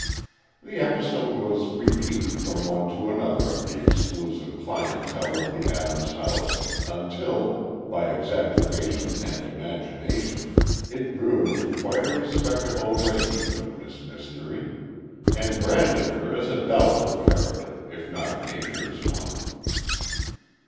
The episode was repeated from one to another of the exclusive clientele of the Adams house, until, by exaggeration and imagination it grew into quite a respectable arraignment of Miss Mystery, and branded her as a doubtful character if not a dangerous one.